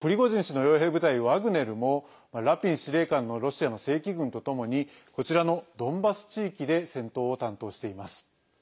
私兵を率いるカディロフ氏もブリゴジン氏のよう兵部隊ワグネルもラピン司令官のロシアの正規軍とともにこちらのドンバス地域で戦闘を担当しています。